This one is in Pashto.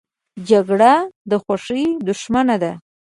جګړه د خوښۍ دښمنه ده